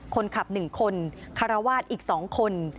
คนขับ๑คนคารวาสอีก๒คน